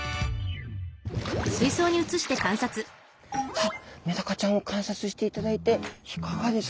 さあメダカちゃん観察していただいていかがですか特徴は？